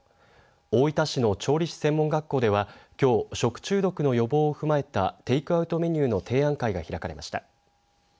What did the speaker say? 大分市の調理師専門学校ではきょう、食中毒の予防を踏まえたテイクアウトメニューの提案会が開かれました。